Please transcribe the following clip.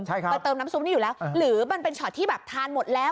ใช่ครับไปเติมน้ำซุปนี่อยู่แล้วหรือมันเป็นช็อตที่แบบทานหมดแล้ว